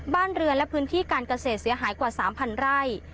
บ้านเรือนและพื้นที่การเกษตรเสียหายกว่า๓๐๐ไร่